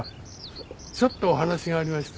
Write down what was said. ちょっとお話がありまして。